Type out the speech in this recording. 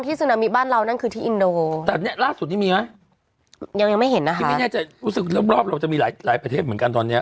ที่มีแนตแกจะรบเราจะมีหลายหลายประเทศเหมือนกันตอนเนี้ย